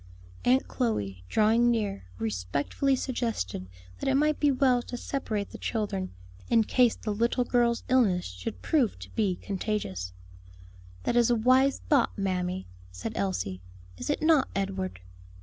Aunt Chloe, drawing near, respectfully suggested that it might be well to separate the children, in case the little girl's illness should prove to be contagious. "That is a wise thought, mammy," said Elsie. "Is it not, Edward?"